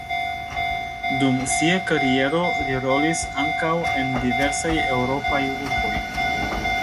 Dum sia kariero li rolis ankaŭ en diversaj eŭropaj urboj.